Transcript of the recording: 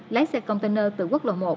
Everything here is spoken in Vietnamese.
lái xe container từ quốc lộ một